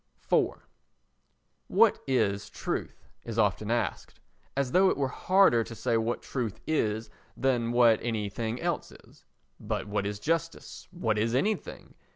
iv "What is Truth?" is often asked, as though it were harder to say what truth is than what anything else is. But what is Justice? What is anything?